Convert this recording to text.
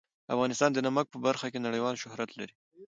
افغانستان د نمک په برخه کې نړیوال شهرت لري.